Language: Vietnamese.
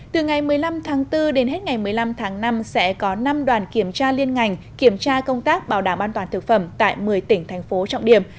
từ ngày một mươi năm tháng bốn đến hết ngày một mươi năm tháng năm sẽ có năm đoàn kiểm tra liên ngành kiểm tra công tác bảo đảm an toàn thực phẩm tại một mươi tỉnh thành phố trọng điểm